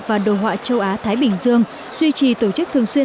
và đồ họa châu á thái bình dương duy trì tổ chức thường xuyên